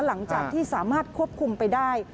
หลังจากที่สามารถควบคุมไปได้